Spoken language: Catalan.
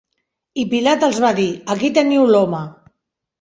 I Pilat els va dir: "Aquí teniu l'home!".